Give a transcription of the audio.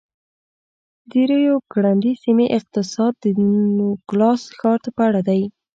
د ریو ګرنډي سیمې اقتصاد د نوګالس ښار په اړه دی.